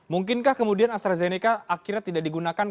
mungkinkah kemudian astrazeneca akhirnya tidak digunakan